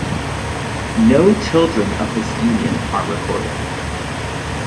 No children of this union are recorded.